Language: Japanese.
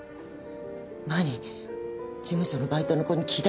前に事務所のバイトの子に聞いた事があるわ。